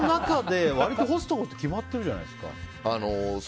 家の中で割と干すところって決まってるじゃないですか。